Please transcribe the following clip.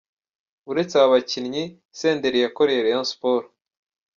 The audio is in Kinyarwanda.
Uretse aba bakinnyi, Senderi yakoreye Rayon Sport.